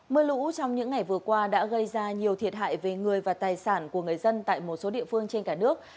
mưa lũ trong những ngày vừa qua đã gây ra nhiều thiệt hại về người và tài sản của người dân tại một số địa phương trên cả nước